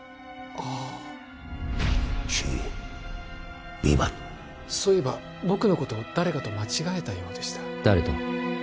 ああそういえば僕のことを誰かと間違えたようでした誰と？